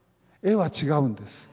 絵は違うんです。